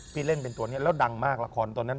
เล่นเป็นตัวนี้แล้วดังมากละครตัวนั้น